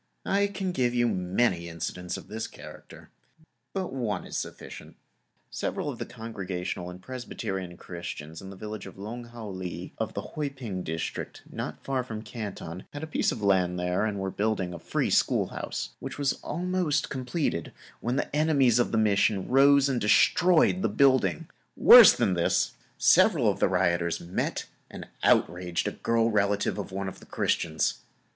I can give you many incidents of this character, but one is sufficient. Several of the Congregational and Presbyterian Christians in the village of Lung How Lee, of the Hoy Ping District, not far from Canton, had a piece of land there and were building a free schoolhouse, which was almost completed, when the enemies of the Mission rose and destroyed the building; worse than this, several of the rioters met and outraged a girl relative of one of the Christians.